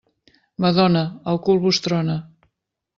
Madona, el cul vos trona.